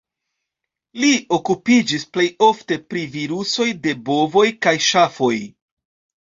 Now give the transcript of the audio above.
Li okupiĝis plej ofte pri virusoj de bovoj kaj ŝafoj.